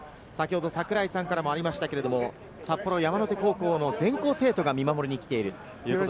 先ほど、櫻井さんからありましたが札幌山の手高校の全校生徒が見守りに来ている。